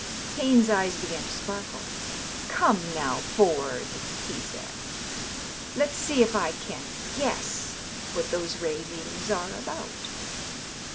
Payne's eyes began to sparkle. " Come, now. Ford," he said, " let's see if I can't guess what those ravings are about."